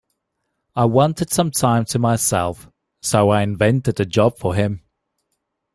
I wanted some time to myself, so I invented a job for him.